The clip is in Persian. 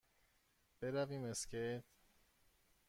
برویم اسکیت؟